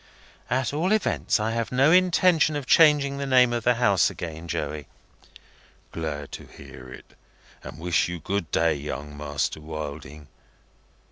"At all events, I have no intention of changing the name of the House again, Joey." "Glad to hear it, and wish you good day, Young Master Wilding.